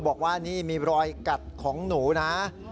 บอกว่านี่มีรอยกัดของหนูนะ